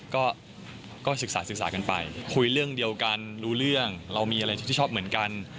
ก็ศึกษาศึกษากันไปคุยเรื่องเดียวกันรู้เรื่องเรามีอะไรที่ชอบเหมือนกัน